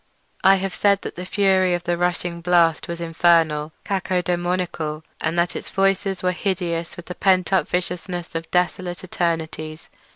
I have said that the fury of the rushing blast was infernal—cacodaemoniacal—and that its voices were hideous with the pent up viciousness of desolate eternities.